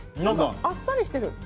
あっさりしてる。